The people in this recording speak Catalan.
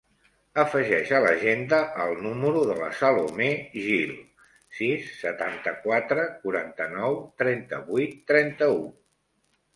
Afegeix a l'agenda el número de la Salomé Gil: sis, setanta-quatre, quaranta-nou, trenta-vuit, trenta-u.